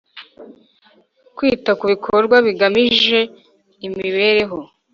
Kwita kubikorwa bigamije imibereho